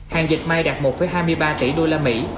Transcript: hàng dịch mai đạt một hai mươi ba tỷ usd